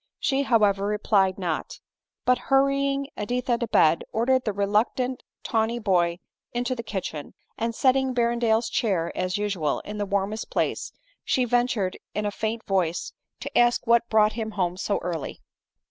She, however, replied not ; but, hurrying Editha to bed, ordering the reluctant tawny boy into the kitchen, and setting Berrendale's chair, as usual, in the warmest place, she ventured in a faint voice to ask what brought him home so early.